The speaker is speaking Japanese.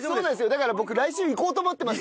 だから僕来週行こうと思ってます